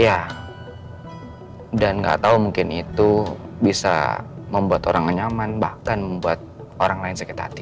iya dan nggak tahu mungkin itu bisa membuat orang nyaman bahkan membuat orang lain sakit hati